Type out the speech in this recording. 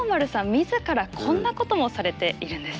自らこんなこともされているんです。